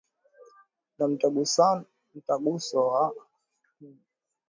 na Mtaguso wa Kalsedonia uwepo wa hali mbili ya Kimungu na ya